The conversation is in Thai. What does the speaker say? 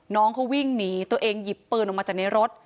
น้องเขาวิ่งหนีตัวเองหยิบปืนออกมาจากในรถ